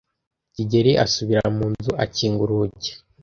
kigeli asubira mu nzu akinga urugi.